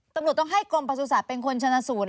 ตำรวจต้องให้กรมประสุทธิ์เป็นคนชนะสูตร